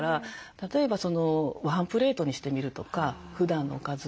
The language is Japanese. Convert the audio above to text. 例えばワンプレートにしてみるとかふだんのおかずを。